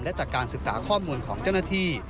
และจากการศึกษาข้อมูลของเจ้าหน้าที่